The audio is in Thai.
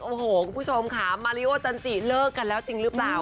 โอ้โหคุณผู้ชมค่ะมาริโอจันจิเลิกกันแล้วจริงหรือเปล่า